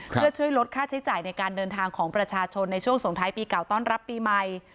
เพื่อช่วยลดค่าใช้จ่ายในการเดินทางของประชาชนในช่วงสงท้ายปีเก่าต้อนรับปีใหม่